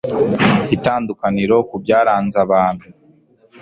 itandukaniro ku byaranze abantu